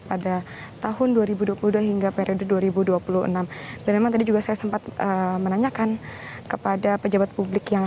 pada tahun dua ribu dua puluh dua hingga periode dua ribu dua puluh enam dan memang tadi juga saya sempat menanyakan kepada pejabat publik yang